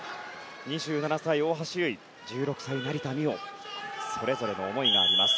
２７歳、大橋悠依１６歳、成田実生それぞれの思いがあります。